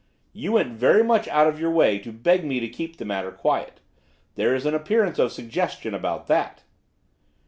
'You went very much out of your way to beg me to keep the matter quiet. There is an appearance of suggestion about that.